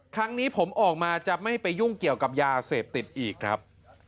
ครั้งนี้ผมออกมาจะไม่ไปยุ่งเกี่ยวกับยาเสพติดอีกครับ